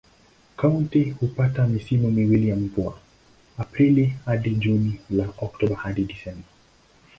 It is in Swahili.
Kaunti hupata misimu miwili ya mvua: Aprili hadi Juni na Oktoba hadi Disemba.